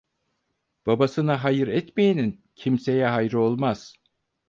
Babasına hayır etmeyenin kimseye hayrı olmaz.